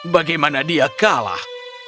bagaimana dia kalah